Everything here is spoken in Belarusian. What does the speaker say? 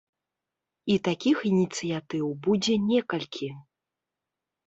І такіх ініцыятыў будзе некалькі.